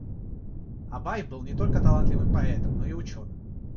Абай был не только талантливым поэтом, но и ученым.